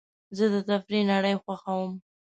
زه د تفریح نړۍ خوښوم.